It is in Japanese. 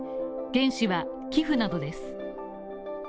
原資は寄付などです。